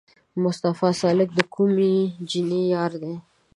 مصطفی سالک د کومې جینۍ یار دی؟